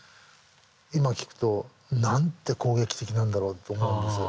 今聴くとなんて攻撃的なんだろうと思うんです。